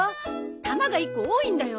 タマが１個多いんだよ。